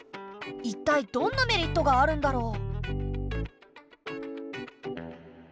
一体どんなメリットがあるんだろう。